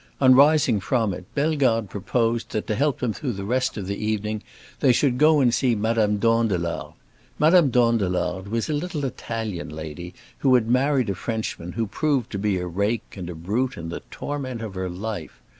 On rising from it, Bellegarde proposed that, to help them through the rest of the evening, they should go and see Madame Dandelard. Madame Dandelard was a little Italian lady who had married a Frenchman who proved to be a rake and a brute and the torment of her life.